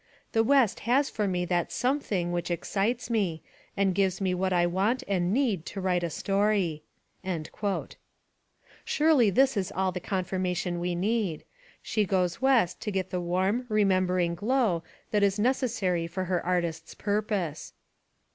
The West has for me that something which excites me, and gives me what I want and need to write a story/ ' Surely this is all the confirmation we need. She goes West to get the warm, remembering glow that is necessary for her artist's purpose.